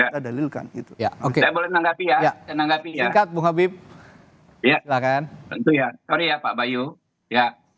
kita dalilkan gitu ya okedy nanggap iya enggak lo habib ya dilahirkan pengonya makbuk bayu ya